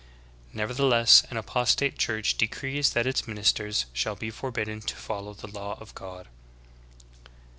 "" Nevertheless an apostate church decrees that its ministers shall be forbidden to follow the law of God.